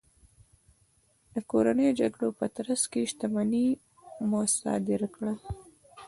د کورنیو جګړو په ترڅ کې شتمنۍ مصادره کړل.